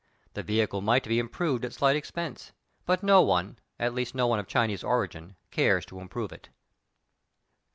The vehicle might be improved at slight expense, but no one, at least no one of Chinese origin, cares to improve it.